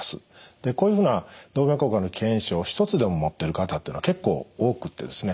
でこういうふうな動脈硬化の危険因子を１つでも持ってる方っていうのは結構多くてですね